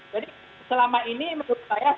selama ini menurut saya